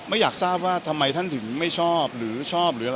ไม่อยากทราบว่าทำไมท่านถึงไม่ชอบหรือชอบ